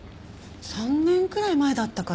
３年くらい前だったかな